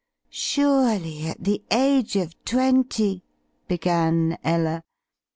"Surely, at the age of twenty—" began Ella.